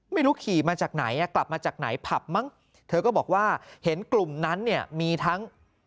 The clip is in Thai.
ขี่มาจากไหนอ่ะกลับมาจากไหนผับมั้งเธอก็บอกว่าเห็นกลุ่มนั้นเนี่ยมีทั้ง